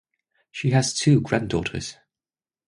She has two granddaughters.